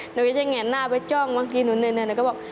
หนูก็จะแง่นหน้าไปจ้องบางทีหนูเหนื่อยหนูก็บอก